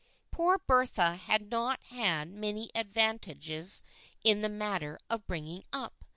Poor Bertha had not had many advantages in the matter of bringing up.